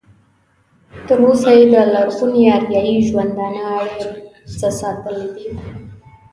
تر اوسه یې د لرغوني اریایي ژوندانه ډېر څه ساتلي دي.